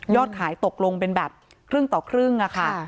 ขายตกลงเป็นแบบครึ่งต่อครึ่งอะค่ะ